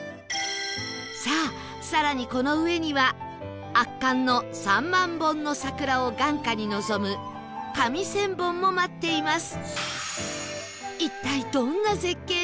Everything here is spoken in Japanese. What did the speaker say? さあ更にこの上には圧巻の３万本の桜を眼下に望む上千本も待っています